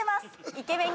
イケメン